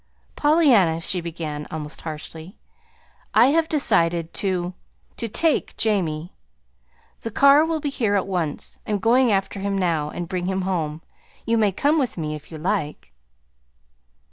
"Pollyanna," she began, almost harshly, "I have decided to to take Jamie. The car will be here at once. I'm going after him now, and bring him home. You may come with me if you like."